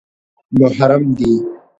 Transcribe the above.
_محرم دي؟